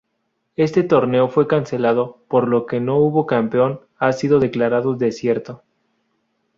Este torneo fue cancelado, por lo que no hubo campeón ha sido declarado desierto.